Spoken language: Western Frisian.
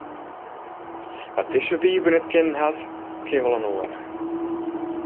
Wa’t dizze Wybe net kennen hat, ken wol in oare.